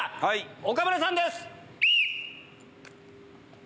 岡村さんです。